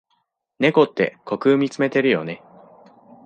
猫って虚空みつめてるよね。